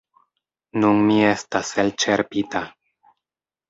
Nun mi estas elĉerpita.